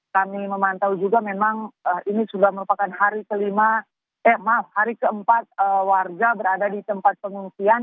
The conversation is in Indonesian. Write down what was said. kami memantau juga memang ini sudah merupakan hari kelima eh maaf hari keempat warga berada di tempat pengungsian